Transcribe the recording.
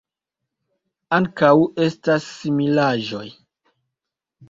Ankaŭ estas similaĵoj.